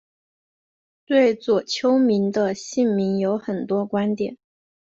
对左丘明的姓名有很多观点。